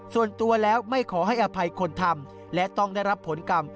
ส่วนตัวแล้วไม่ขอให้อภัยคนทำและต้องได้รับผลกรรม